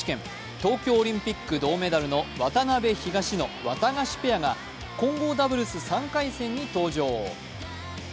東京オリンピック銅メダルの渡辺・東野、ワタガシペアが混合ダブルス３回戦に登場。